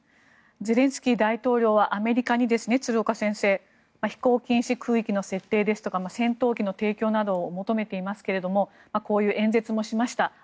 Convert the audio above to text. ゼレンスキー大統領はアメリカに鶴岡先生飛行禁止空域の設定ですとか戦闘機の提供などを求めていますがこういう演説もしました。